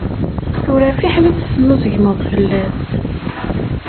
Tura fiḥel ad tesnuzegmeḍ fell-as.